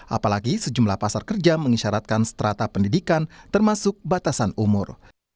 apalagi sejumlah pasar kerja mengisyaratkan strata pendidikan termasuk batasan umur